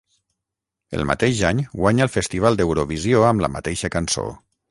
El mateix any, guanya el Festival d'Eurovisió amb la mateixa cançó.